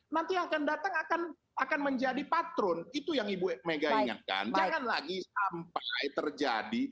nanti yang akan datang akan menjadi patron itu yang ibu mega ingatkan jangan lagi sampai terjadi